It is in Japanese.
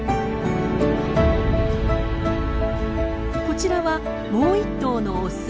こちらはもう１頭のオス。